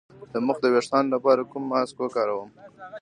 د مخ د ويښتانو لپاره کوم ماسک وکاروم؟